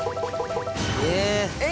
え！